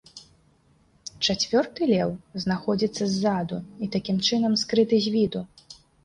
Чацвёрты леў знаходзіцца ззаду і, такім чынам, скрыты з віду.